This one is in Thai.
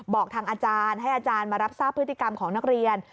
บอกทางอาจารย์ให้อาจารย์มารับทราบพฤติกรรมของนักเรียน